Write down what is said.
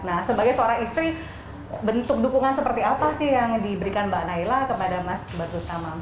nah sebagai seorang istri bentuk dukungan seperti apa sih yang diberikan mbak naila kepada mas badrut tama mbak